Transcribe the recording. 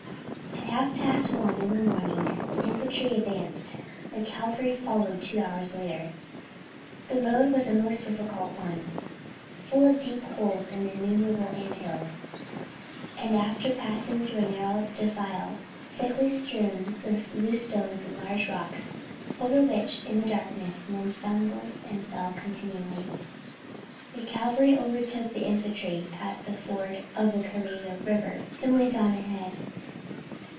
At half past one in the morning the Infantry advanced, the Cavalry following two hours later. The road was a most difficult one, full of deep holes and innumerable ant hills; and after passing through a narrow defile, thickly strewn with loose stones and large rocks, over which in the darkness men stumbled and fell continually, the Cavalry overtook the Infantry at the ford of the Kareiga River, and went on ahead.